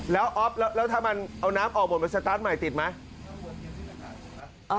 แล้วอ๊อฟแล้วถ้ามันเอาน้ำออกหมดไปสตาร์ทใหม่ติดไหม